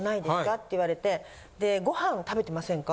って言われてでごはんを食べてませんか？